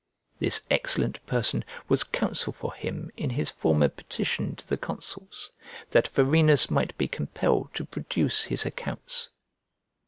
This excellent person was counsel for him in his former petition to the consuls, that Varenus might be compelled to produce his accounts.